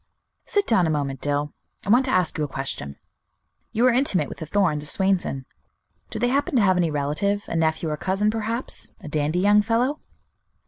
"Sit down a moment, Dill; I want to ask you a question. You are intimate with the Thorns, of Swainson; do they happen to have any relative, a nephew or cousin, perhaps, a dandy young fellow?"